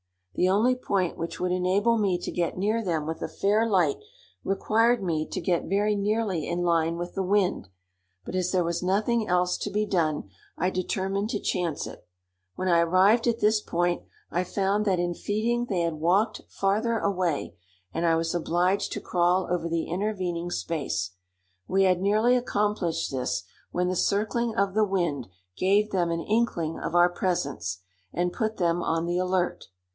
The only point which would enable me to get near them with a fair light, required me to get very nearly in line with the wind; but as there was nothing else to be done, I determined to chance it. When I arrived at this point, I found that in feeding they had walked farther away, and I was obliged to crawl over the intervening space. We had nearly accomplished this when the circling of the wind gave them an inkling of our presence, and put them on the alert.